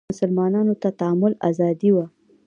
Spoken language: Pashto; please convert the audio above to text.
مسلمانانو ته تعامل ازادي وه